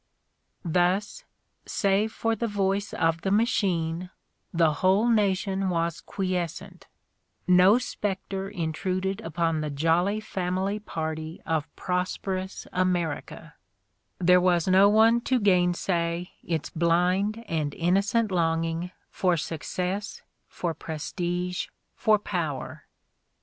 Thus, save for the voice of the machine, the whole nation was quiescent : no specter intruded upon the jolly family party of prosperous America; there was no one to gainsay its blind and innocent longing for success, for prestige, for power.